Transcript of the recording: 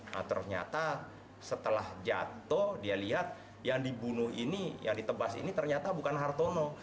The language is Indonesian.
nah ternyata setelah jatuh dia lihat yang dibunuh ini yang ditebas ini ternyata bukan hartono